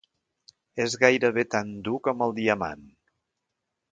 És gairebé tan dur com el diamant.